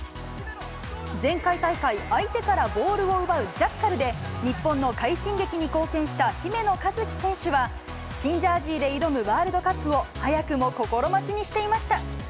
前回大会、相手からボールを奪うジャッカルで日本の快進撃に貢献した姫野和樹選手は、新ジャージで挑むワールドカップを、早くも心待ちにしていました。